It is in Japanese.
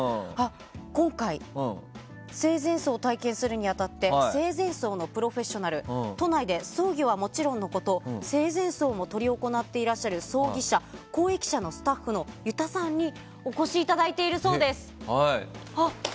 今回、生前葬を体験するに当たって生前葬のプロフェッショナル都内で葬儀はもちろんのこと生前葬を執り行っていらっしゃる葬儀社・公益社のスタッフの湯田さんにお越しいただいているそうです。